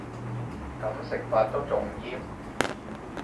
噉食法都仲唔厭